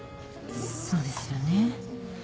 そうですよね。